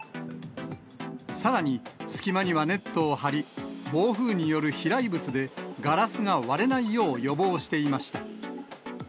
さらに、隙間にはネットを張り、暴風による飛来物でガラスが割れないよう予防していました。